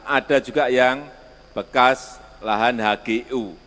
ada juga yang bekas lahan hgu